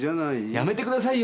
やめてくださいよ。